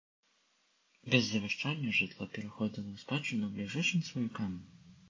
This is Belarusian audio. Без завяшчання жытло пераходзіла ў спадчыну бліжэйшым сваякам.